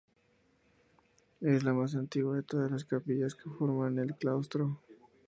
Es la más antigua de todas las capillas que forman el claustro.